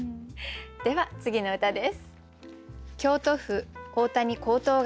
では次の歌です。